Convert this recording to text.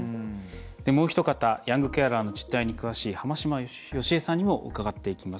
もうお一方ヤングケアラーの実態に詳しい濱島淑恵さんにも伺っていきます。